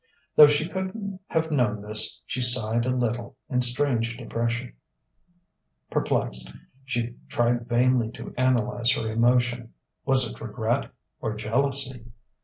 Though she couldn't have known this, she sighed a little, in strange depression. Perplexed, she tried vainly to analyze her emotion: was it regret or jealousy?